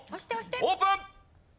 オープン！